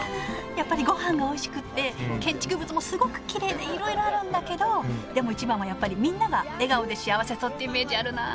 やっぱりごはんがおいしくって建築物もすごくきれいでいろいろあるんだけどでも一番はやっぱりみんなが笑顔でしあわせそうってイメージあるなあ